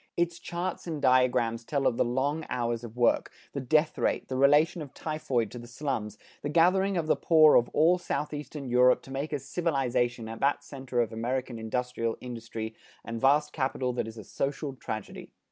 Its charts and diagrams tell of the long hours of work, the death rate, the relation of typhoid to the slums, the gathering of the poor of all Southeastern Europe to make a civilization at that center of American industrial energy and vast capital that is a social tragedy.